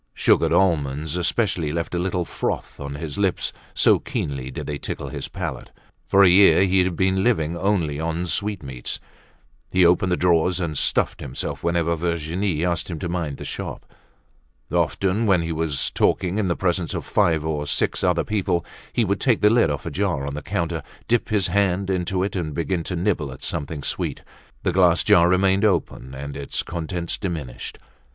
Sugared almonds especially left a little froth on his lips so keenly did they tickle his palate. For a year he had been living only on sweetmeats. He opened the drawers and stuffed himself whenever Virginie asked him to mind the shop. Often, when he was talking in the presence of five or six other people, he would take the lid off a jar on the counter, dip his hand into it and begin to nibble at something sweet; the glass jar remained open and its contents diminished.